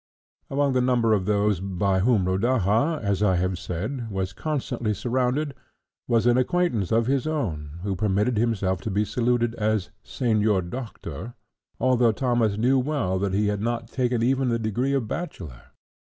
Among the number of those by whom Rodaja, as I have said, was constantly surrounded, was an acquaintance of his own, who permitted himself to be saluted as the Señor Doctor, although Thomas knew well that he had not taken even the degree of bachelor.